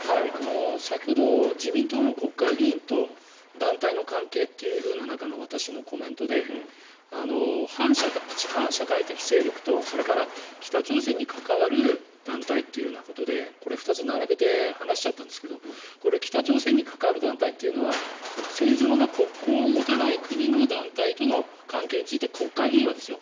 先ほど自民党の国会議員と団体の関係というふうな中の私のコメントで反社会的勢力とそれから北朝鮮に関わる団体ということでこれ、２つ並べて話しちゃったんですけどこれ、北朝鮮に関わる団体というのは正常な国交を持たない国の団体との関係について国会議員はですよ